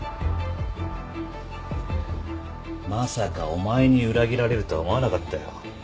まさかお前に裏切られるとは思わなかったよ。